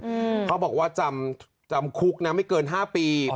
เขาบอกว่าจำจำคุกนะไม่เกินห้าปี